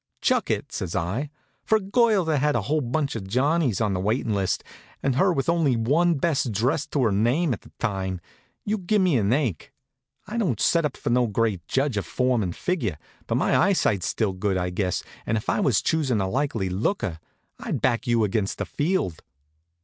"Chuck it!" says I. "For a girl that had a whole bunch of Johnnies on the waitin' list, and her with only one best dress to her name at the time, you give me an ache. I don't set up for no great judge of form and figure; but my eyesight's still good, I guess, and if I was choosin' a likely looker, I'd back you against the field."